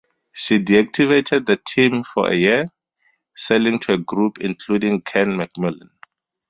She deactivated the team for a year, selling to a group including Ken McMullen.